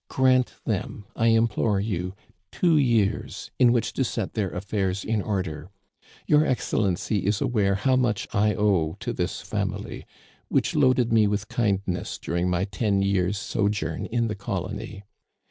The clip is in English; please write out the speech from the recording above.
Grant them, I implore you, two years in which to set their affairs in order. Your Excellency is aware how much I owe to this family, which loaded me with kind ness during my ten years' sojourn in the colony.